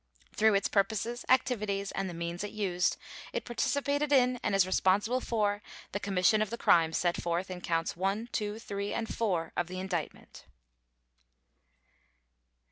Through its purposes, activities, and the means it used, it participated in and is responsible for the commission of the crimes set forth in Counts One, Two, Three, and Four of the Indictment.